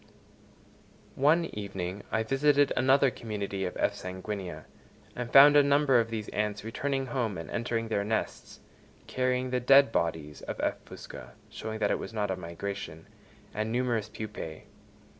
One evening I visited another community of F. sanguinea, and found a number of these ants returning home and entering their nests, carrying the dead bodies of F. fusca (showing that it was not a migration) and numerous pupæ.